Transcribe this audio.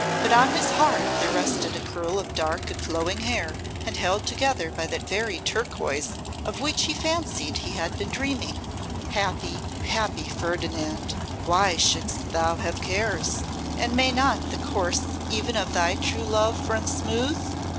But on his heart there rested a curl of dark and flowing hair, and held together by that very turquoise of which he fancied he had been dreaming. Happy, happy Ferdinand! Why shouldst thou have cares? And may not the course even of thy true love run smooth?